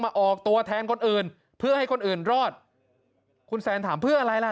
ออกตัวแทนคนอื่นเพื่อให้คนอื่นรอดคุณแซนถามเพื่ออะไรล่ะ